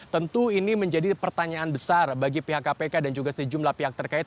tentu ini menjadi pertanyaan besar bagi pihak kpk dan juga sejumlah pihak terkait